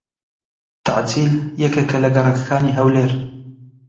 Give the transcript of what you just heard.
تەعجیل یەکێکە لە گەڕەکەکانی هەولێر.